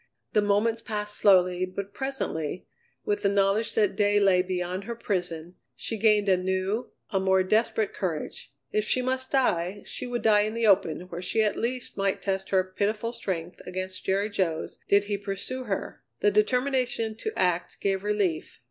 The moments passed slowly, but presently, with the knowledge that day lay beyond her prison, she gained a new, a more desperate courage. If she must die, she would die in the open, where she at least might test her pitiful strength against Jerry Jo's did he pursue her. The determination to act gave relief.